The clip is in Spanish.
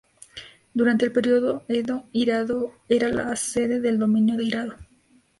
Durante el período Edo, Hirado era la sede del dominio de Hirado.